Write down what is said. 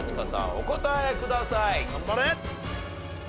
お答えください。